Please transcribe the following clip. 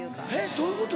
どういうこと？